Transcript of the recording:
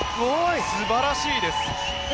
素晴らしいです。